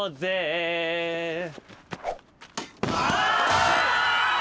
あ！